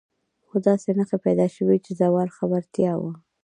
خو داسې نښې پیدا شوې چې د زوال خبرتیا وه.